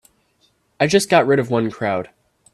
I just got rid of one crowd.